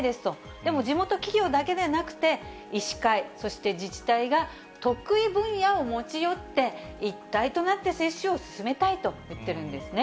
でも、地元企業だけでなくて、医師会、そして自治体が得意分野を持ち寄って、一体となって接種を進めたいと言っているんですね。